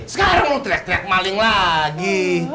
sekarang mau teriak teriak maling lagi